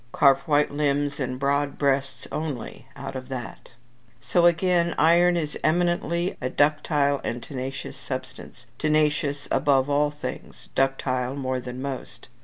Carve white limbs and broad breasts only out of that. So again, iron is eminently a ductile and tenacious substance tenacious above all things, ductile more than most.